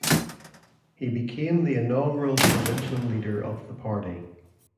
He became the inaugural provincial leader of the party.